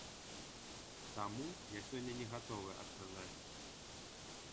Таму я сёння не гатовы адказаць.